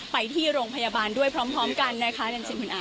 ไปที่โรงพยาบาลด้วยพร้อมกันนะคะจริงคุณอา